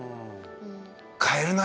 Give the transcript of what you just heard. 変えるな。